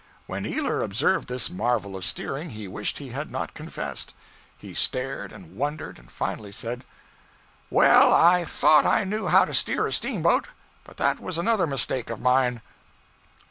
When Ealer observed this marvel of steering, he wished he had not confessed! He stared, and wondered, and finally said 'Well, I thought I knew how to steer a steamboat, but that was another mistake of mine.'